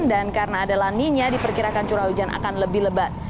dan karena adalah ninya diperkirakan curah hujan akan lebih lebat